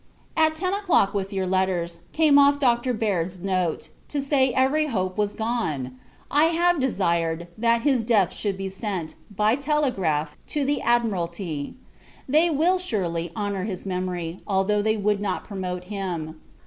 At ten o'clock, with your letters, came off Dr. Baird's note, to say every hope was gone! I have desired, that his death should be sent, by telegraph, to the Admiralty. They will, surely, honour his memory, although they would not promote him.